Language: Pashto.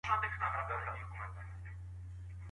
د ښوونځي په دوره کي د دې غږ موندل اړین دي.